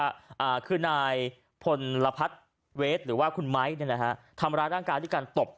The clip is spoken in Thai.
มีคือนายภลระพรรด์เวฅร์หรือว่าคุณไม้นะฮะทำรักด้านการณ์ด้วยการตบ